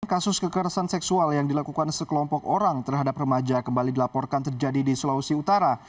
kasus kekerasan seksual yang dilakukan sekelompok orang terhadap remaja kembali dilaporkan terjadi di sulawesi utara